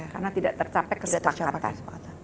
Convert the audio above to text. karena tidak tercapai kesepakatan